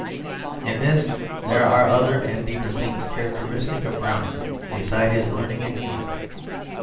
In this there are other and deeper things characteristic of Browning besides his learning and humour.